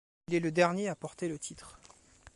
Il est le dernier à porter le titre.